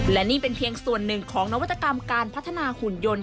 และนี่เป็นเพียงส่วนหนึ่งของนวัตกรรมการพัฒนาหุ่นยนต์